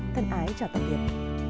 thân ái chào tạm biệt